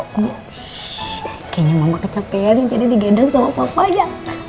kayaknya mama kecapean jadi digedang sama papanya